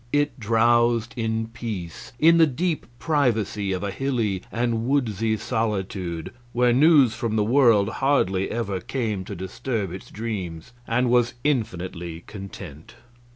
It drowsed in peace in the deep privacy of a hilly and woodsy solitude where news from the world hardly ever came to disturb its dreams, and was infinitely content.